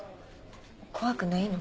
怖くないの？